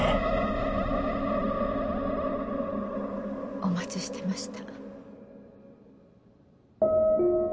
お待ちしてました。